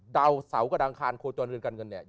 ดาวเสากระดังคารโคจรกัญญาเงินเนี่ย